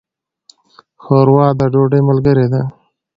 ښوروا د ډوډۍ ملګرې ده.